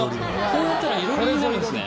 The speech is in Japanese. こうやったら囲炉裏になるんですね。